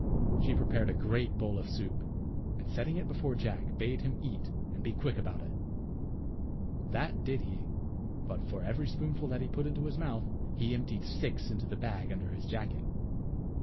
She prepared a great bowl of soup, and setting it before Jack bade him eat and be quick about it. That did he; but ^ ff for every spoonful that he put into j his mouth he emptied six into the bag under his jacket.